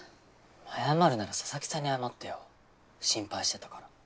謝るなら佐々木さんに謝ってよ心配してたから。